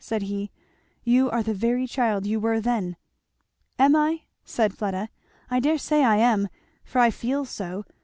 said he, "you are the very child you were then." "Am I?" said Fleda. "I dare say I am, for I feel so.